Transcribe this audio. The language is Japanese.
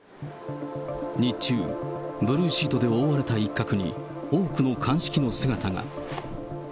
日中、ブルーシートで覆われた一角に多くの鑑識の姿が。